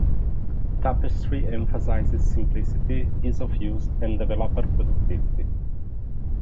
Tapestry emphasizes simplicity, ease of use, and developer productivity.